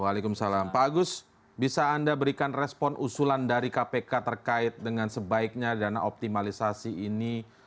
waalaikumsalam pak agus bisa anda berikan respon usulan dari kpk terkait dengan sebaiknya dana optimalisasi ini